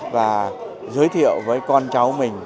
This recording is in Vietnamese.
và giới thiệu với con cháu mình